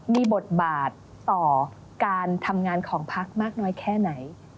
มีบทบาทต่อการทำงานของพักมากน้อยแค่ไหน